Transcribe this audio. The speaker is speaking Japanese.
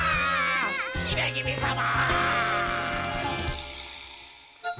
ひめぎみさま！